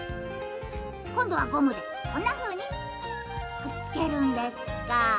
こんどはゴムでこんなふうにくっつけるんですか。